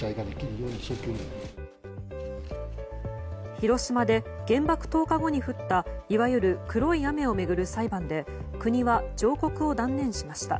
広島で原爆投下後に降ったいわゆる黒い雨を巡る裁判で国は上告を断念しました。